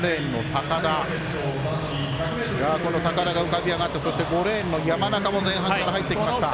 高田が浮かび上がって５レーンの山中も前半、入ってきました。